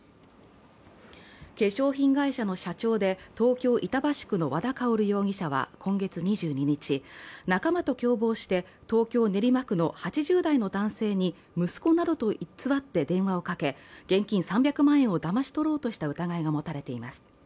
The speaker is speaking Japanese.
化粧品会社の社長で、東京・板橋区の和田教容疑者は今月２２日、仲間と共謀して東京・練馬区の８０代の男性に息子などと偽って電話をかけ、現金３００万円をだまし取ろうとした疑いが持たれています。